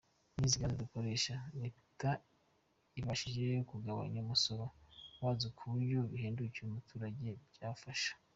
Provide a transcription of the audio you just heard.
N’izi gaz dukoresha leta ibashije kugabanya umusoro wazo ku buryo bihendukira abaturage byafasha.